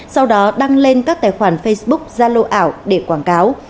sau đó đăng lên các tài khoản facebook zalo ảo để quảng cáo